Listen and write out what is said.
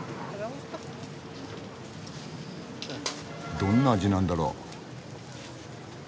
どんな味なんだろ？